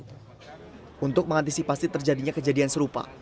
untuk mengantisipasi terjadinya kejadian serupa